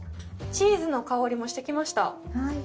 チーズの香りもしてきました。